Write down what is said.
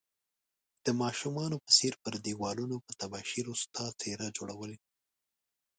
د ماشومانو په څير پر ديوالونو په تباشير ستا څيره جوړول